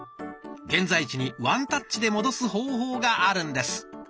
現在地にワンタッチで戻す方法があるんです。